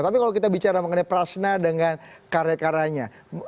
tapi kalau kita bicara mengenai prasna dengan karya karyanya